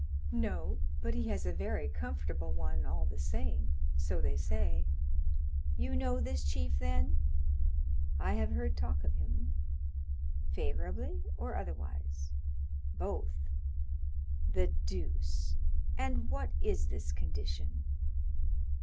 "No, but he has a very comfortable one all the same, so they say." "You know this chief, then?" "I have heard talk of him." "Favorably or otherwise?" "Both." "The deuce!—and what is this condition?"